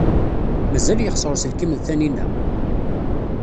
Mazal yexṣer uselkim n Taninna?